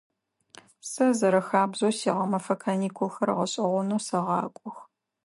Сэ зэрэхабзэу сигъэмэфэ каникулхэр гъэшӏэгъонэу сэгъакӏох.